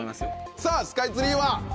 さぁスカイツリーは。